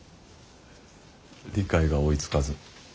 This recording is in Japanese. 理解が追いつかず。